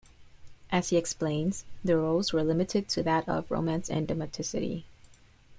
As he explains, their roles were limited to that of romance and domesticity.